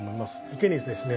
池にですね